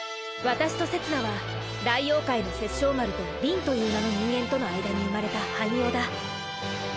私とせつなは大妖怪の殺生丸とりんという名の人間との間に生まれた半妖だ